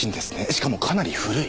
しかもかなり古い。